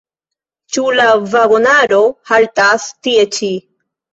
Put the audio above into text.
Ĉu la vagonaro haltas tie ĉi?